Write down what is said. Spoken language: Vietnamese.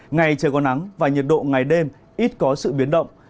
ngày trời có nắng và nhiệt độ ngày đêm ít có sự biến động